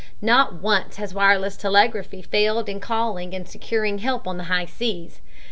"Not once has wireless telegraphy failed in calling and securing help on the high seas.